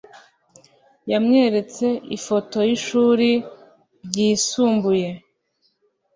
Yamweretse ifoto yishuri ryisumbuye.